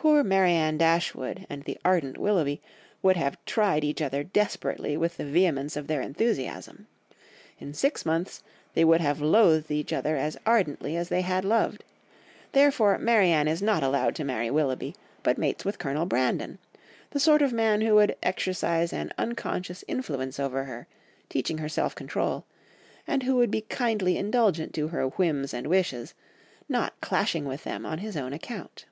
Poor Marianne Dashwood and the ardent Willoughby would have tried each other desperately with the vehemence of their enthusiasm; in six months they would have loathed each other as ardently as they had loved, therefore Marianne is not allowed to marry Willoughby, but mates with Colonel Brandon, the sort of man who would exercise an unconscious influence over her, teaching her self control, and who would be kindly indulgent to her whims and wishes, not clashing with them on his own account.